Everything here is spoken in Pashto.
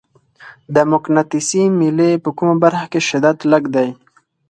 د مقناطیسي میلې په کومه برخه کې شدت لږ دی؟